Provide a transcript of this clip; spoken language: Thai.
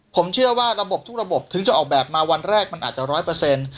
ผมเชื่อว่าระบบทุกระบบถึงจะออกแบบมาวันแรกมันอาจจะร้อยเปอร์เซ็นต์